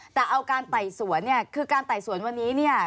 แต่เอาการไต่สวนคือการไต่สวนวันนี้